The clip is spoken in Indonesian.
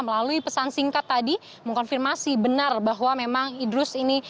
melalui pesan singkat tadi mengkonfirmasi benar bahwa memang idrus ini